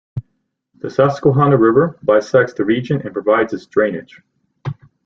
The Susquehanna River bisects the region and provides its drainage.